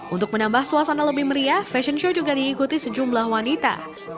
untuk menambah suasana lebih meriah fashion show juga diikuti sejumlah wanita